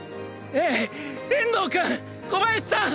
え遠藤くん小林さん！